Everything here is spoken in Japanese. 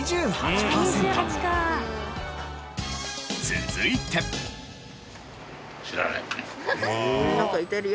続いて。